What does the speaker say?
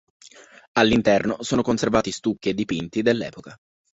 All'interno sono conservati stucchi e dipinti dell'epoca.